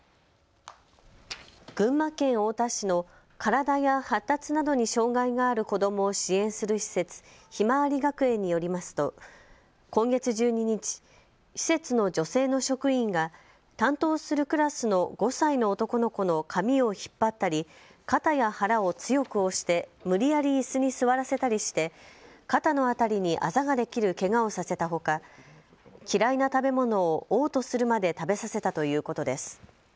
群馬県太田市の体や発達などに障害がある子どもを支援する施設、ひまわり学園によりますと今月１２日、施設の女性の職員が担当するクラスの５歳の男の子の髪を引っ張ったり肩や腹を強く押して無理やりいすに座らせたりして肩の辺りにあざができるけがをさせたほか嫌いな食べ物をおう吐するまで食べさせたということです。